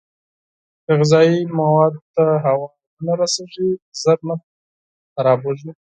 که غذايي موادو ته هوا ونه رسېږي، ژر نه فاسېدېږي.